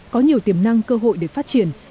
có nhiều tiềm năng cơ hội để phát triển